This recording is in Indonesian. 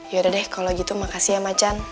yaudah deh kalo gitu makasih ya ma can